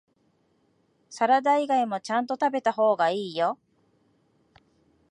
サラダ以外もちゃんと食べた方がいいよ